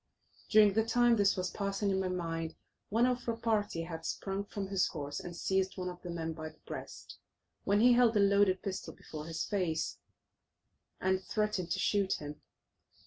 During the time this was passing in my mind, one of our party had sprung from his horse and seized one of the men by the breast, when he held a loaded pistol before his face and threatened to shoot him.